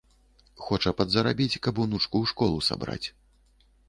Хоча падзарабіць, каб унучку ў школу сабраць.